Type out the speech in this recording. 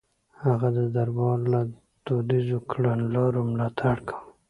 هغه د دربار له دوديزو کړنلارو ملاتړ کاوه.